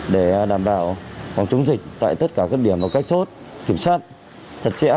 để đảm bảo phòng chống dịch tại tất cả các điểm và các chốt kiểm soát chặt chẽ